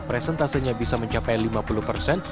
presentasenya bisa mencapai lima puluh persen